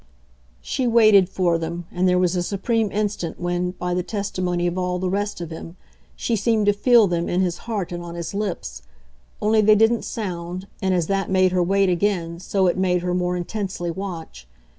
She waited for them, and there was a supreme instant when, by the testimony of all the rest of him, she seemed to feel them in his heart and on his lips; only they didn't sound, and as that made her wait again so it made her more intensely watch.